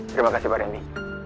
terima kasih pak randy